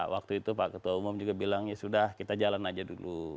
waktu itu pak ketua umum juga bilang ya sudah kita jalan aja dulu